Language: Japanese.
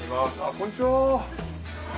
こんにちは。